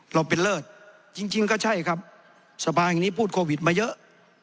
เราเป็นเลิศจริงก็ใช่ครับสภาแห่งนี้พูดโควิดมาเยอะ